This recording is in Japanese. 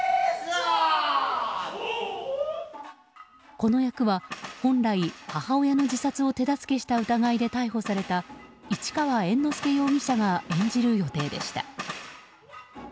この役は本来母親の自殺を手助けをした疑いで逮捕された市川猿之助容疑者が演じる予定でした。